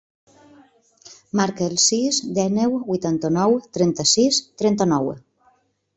Marca el sis, dinou, vuitanta-nou, trenta-sis, trenta-nou.